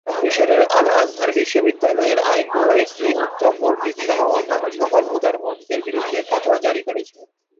মিশরের আল-আজহার বিশ্ববিদ্যালয়ের আইন বিভাগ একটি উক্ত মসজিদ সহ অন্যান্য সকল উদার মসজিদের বিরুদ্ধে ফতোয়া জারি করেছে।